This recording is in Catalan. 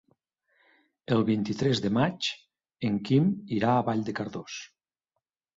El vint-i-tres de maig en Quim irà a Vall de Cardós.